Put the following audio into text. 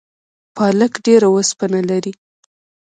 پالک ډیره اوسپنه لري